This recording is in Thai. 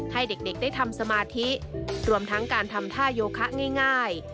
ให้เด็กได้ทำสมาธิรวมทั้งการทำท่าโยคะง่าย